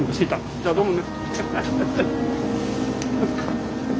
じゃあどうもね。